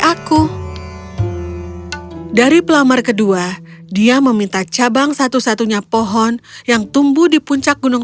aku dari pelamar kedua dia meminta cabang satu satunya pohon yang tumbuh di puncak gunung